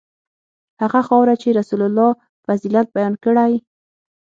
هغه خاوره چې رسول الله فضیلت بیان کړی.